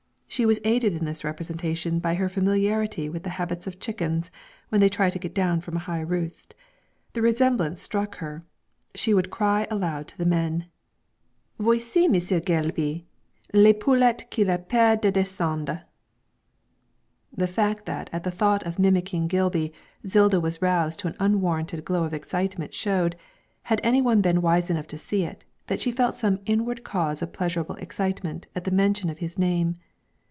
She was aided in this representation by her familiarity with the habits of chickens when they try to get down from a high roost. The resemblance struck her; she would cry aloud to the men 'Voici Monsieur Geelby, le poulet qui a peur de descendre!' The fact that at the thought of mimicking Gilby Zilda was roused to an unwarranted glow of excitement showed, had any one been wise enough to see it, that she felt some inward cause of pleasurable excitement at the mention of his name.